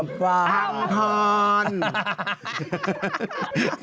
จับปากห้ามพล